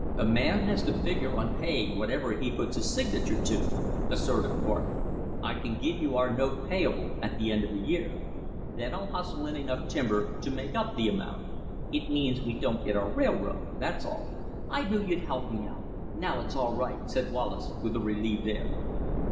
"A man has to figure on paying whatever he puts his signature to," asserted Thorpe. "I can give you our note payable at the end of a year. Then I'll hustle in enough timber to make up the amount. It means we don't get our railroad, that's all." "I knew you'd help me out. Now it's all right," said Wallace, with a relieved air.